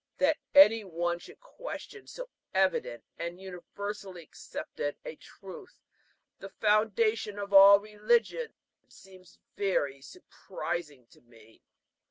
That any one should question so evident and universally accepted a truth, the foundation of all religion, seems very surprising to me.